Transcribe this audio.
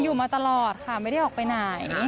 อยู่มาตลอดค่ะไม่ได้ออกไปไหน